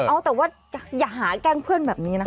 เอาแต่ว่าอย่าหาแกล้งเพื่อนแบบนี้นะคะ